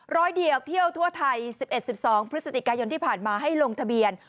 ร้อยเดียวเที่ยวทั่วไทย๑๑๑๒พฤศจิกายนที่ผ่านมาให้ลงทะเบียน